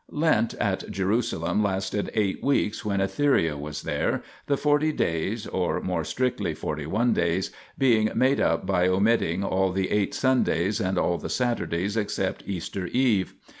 Lent at Jerusalem lasted eight weeks when Etheria was there, the forty days (or more strictly forty one days) being made up by omitting all the eight Sundays and all the Saturdays except Easter Eve.